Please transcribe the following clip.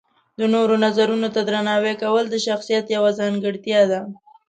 د نورو نظرونو ته درناوی کول د شخصیت یوه ځانګړتیا ده.